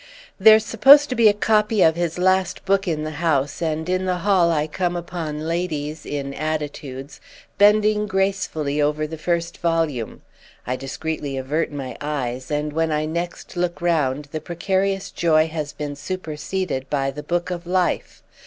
There's supposed to be a copy of his last book in the house, and in the hall I come upon ladies, in attitudes, bending gracefully over the first volume. I discreetly avert my eyes, and when I next look round the precarious joy has been superseded by the book of life.